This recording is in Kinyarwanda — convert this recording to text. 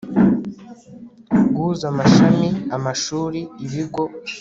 guhuza amashami amashuri ibigo